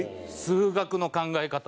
数学の考え方で。